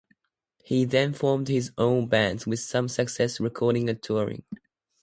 He then formed his own bands, with some success recording and touring.